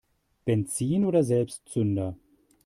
Benzin oder Selbstzünder?